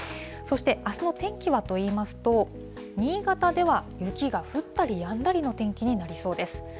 そして、あすの天気はといいますと、新潟では雪が降ったりやんだりの天気になりそうです。